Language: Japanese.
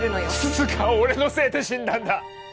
涼香は俺のせいで死んだんだ